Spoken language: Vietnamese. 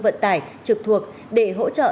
vận tài trực thuộc để hỗ trợ